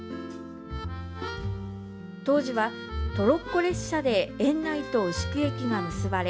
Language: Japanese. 当時は、トロッコ列車で園内と牛久駅が結ばれ